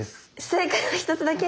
正解は一つだけ？